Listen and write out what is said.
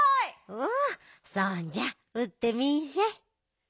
おおそんじゃうってみんしゃい。